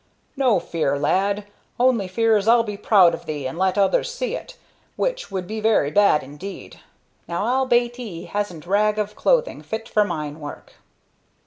"No fear, lad. Only fear is I'll be proud of thee, and lat others see it, which would be very bad indeed. Now, I'll bate 'ee hasn't rag of clothing fit for mine work."